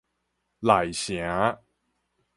内城